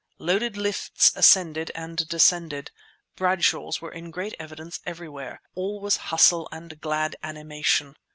Loaded lifts ascended and descended. Bradshaws were in great evidence everywhere; all was hustle and glad animation.